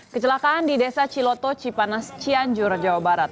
kecelakaan di desa ciloto cipanas cianjur jawa barat